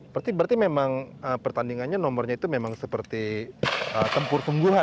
berarti memang pertandingannya nomornya itu memang seperti tempur sungguhan